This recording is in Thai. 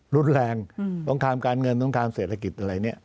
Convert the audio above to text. รุดแรงตรงขามการเงินตรงขามเศรษฐกิจอะไรนี้